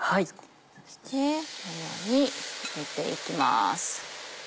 そしてこのように揚げていきます。